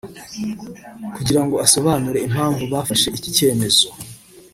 kugira ngo asobanure impamvu bafashe iki cyemezo